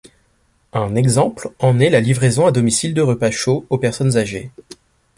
Un exemple en est la livraison à domicile de repas chauds aux personnes âgées.